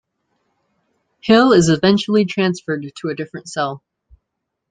Hill is eventually transferred to a different cell.